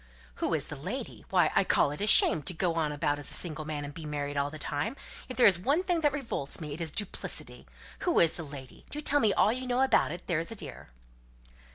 "Who is the lady? Why, I call it a shame to go about as a single man, and be married all the time! If there is one thing that revolts me, it is duplicity. Who is the lady? Do tell me all you know about it, there's a dear."